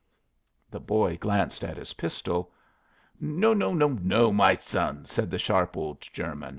The boy glanced at his pistol. "No, no, no, my son," said the sharp old German.